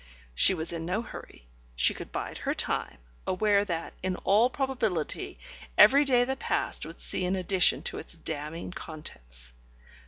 She was in no hurry: she could bide her time, aware that, in all probability, every day that passed would see an addition to its damning contents.